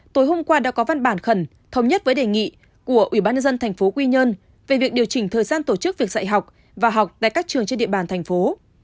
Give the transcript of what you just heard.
tối hôm qua đã có văn bản khẩn thống nhất với đề nghị của ủy ban nhân dân tp quy nhơn về việc điều chỉnh thời gian tổ chức việc dạy học và học tại các trường trên địa bàn thành phố